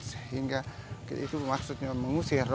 sehingga itu maksudnya mengusir roh roh